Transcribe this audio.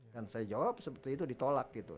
saya jawab seperti itu ditolak gitu